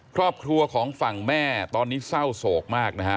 ครอบครัวของฝั่งแม่ตอนนี้เศร้าโศกมากนะฮะ